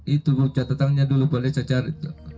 itu catatannya dulu pak desa cari